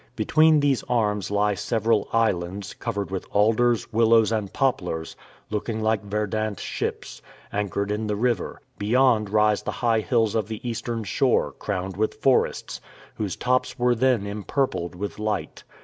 Between these arms lie several islands, covered with alders, willows, and poplars, looking like verdant ships, anchored in the river. Beyond rise the high hills of the Eastern shore, crowned with forests, whose tops were then empurpled with light.